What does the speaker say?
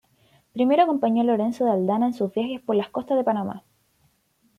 Primero acompañó a Lorenzo de Aldana en sus viajes por las costas de Panamá.